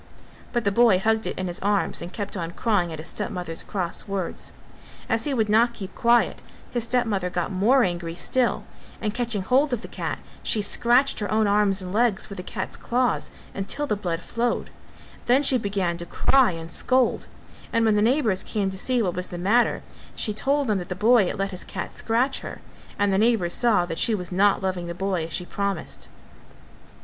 But the boy hugged it in his arms and kept on crying at his stepmother's cross words. As he would not keep quiet his stepmother got more angry still; and catching hold of the cat she scratched her own arms and legs with the cat's claws until the blood flowed; then she began to cry and scold and when the neighbours came to see what was the matter, she told them that the boy had let his cat scratch her; and the neighbours saw that she was not loving the boy as she promised.